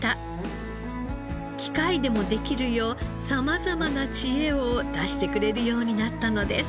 機械でもできるよう様々な知恵を出してくれるようになったのです。